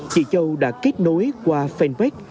chị châu đã kết nối qua fanpage